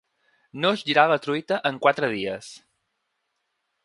No es girar la truita en quatre dies.